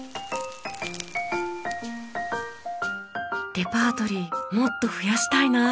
レパートリーもっと増やしたいな。